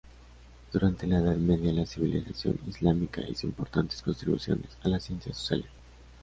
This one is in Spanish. Durante la Edad Media, la civilización islámica hizo importantes contribuciones a las ciencias sociales.